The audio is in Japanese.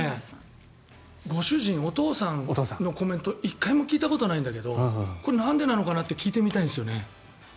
ご主人、お父さんのコメント１回も聞いたことないんだけどこれ、なんでなのかなって聞いてみたいんですよね。